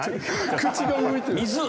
口が動いてる。